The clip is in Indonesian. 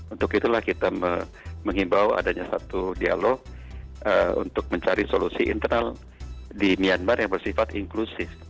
untuk itulah kita mengimbau adanya satu dialog untuk mencari solusi internal di myanmar yang bersifat inklusif